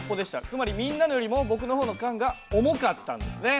つまりみんなのよりも僕の方の缶が重かったんですね。